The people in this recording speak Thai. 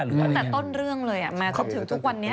ตั้งแต่ต้นเรื่องเลยมาจนถึงทุกวันนี้